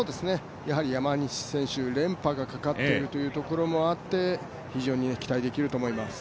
山西選手連覇がかかっているところもあって、非常に期待ができると思います。